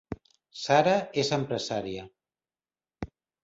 Sara és empresària